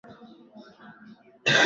taifa ndlf imeweka bayana